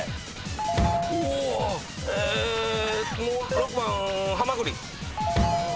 もう６番ハマグリ。